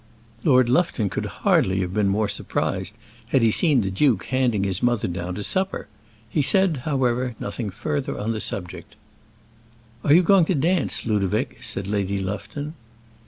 Lord Lufton could hardly have been more surprised had he seen the duke handing his mother down to supper; he said, however, nothing further on the subject. "Are you going to dance, Ludovic?" said Lady Lufton.